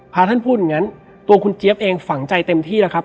ท่านพูดอย่างนั้นตัวคุณเจี๊ยบเองฝังใจเต็มที่แล้วครับ